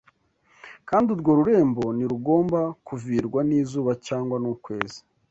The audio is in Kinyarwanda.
Kandi urwo rurembo ntirugomba kuvirwa n’izuba cyangwa n’ukwezi